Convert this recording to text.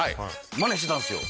まねしてたんですよ。